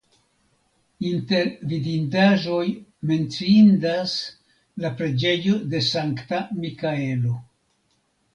Inter vidindaĵoj menciindas la preĝejo de Sankta Mikaelo.